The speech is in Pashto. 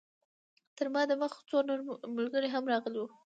تر ما د مخه څو نور ملګري هم راغلي وو.